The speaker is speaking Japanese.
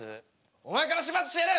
お前から始末してやる！